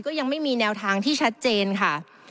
ยังไม่มีแนวทางที่ชัดเจนค่ะ